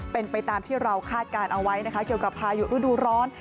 เป็นไปตามที่เราคาดการณ์เอาไว้นะคะเกี่ยวกับพายุฤดูร้อน